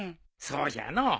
そうじゃのう。